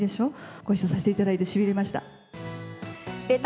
ご一緒させていただいてしびれました。